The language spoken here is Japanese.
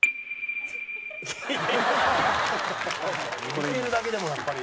見てるだけでもやっぱり。